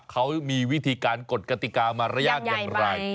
เขามีวิธีการกฎกติกามารยาทอย่างไร